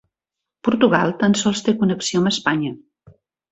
Portugal tan sols té connexió amb Espanya.